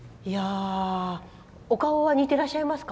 お顔は似てらっしゃいますか？